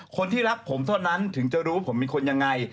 คนที่รักผมเท่านั้นถึงจะรู้ว่าผมเป็นคนยังไง